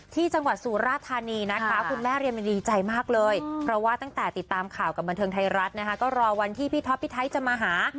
ที่จังหวัดสุราธานีนะคะคุณแม่เรียนมันดีใจมากเลยเพราะว่าตั้งแต่ติดตามข่าวกับบันเทิงไทยรัฐนะคะก็รอวันที่พี่ท็อปพี่ไทยจะมาหา